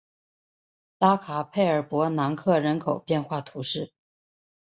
拉卡佩尔博南克人口变化图示